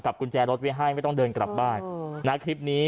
กุญแจรถไว้ให้ไม่ต้องเดินกลับบ้านนะคลิปนี้